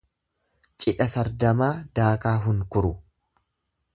Cidha sardamaa daakaa hunkuru.